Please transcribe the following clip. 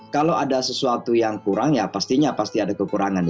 kalau ada sesuatu yang kurang ya pastinya pasti ada kekurangan